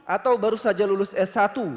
atau baru saja lulus s satu